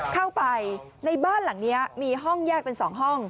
เข้าไปในบ้านหลังนี้มีห้องแยกเป็น๒ห้อง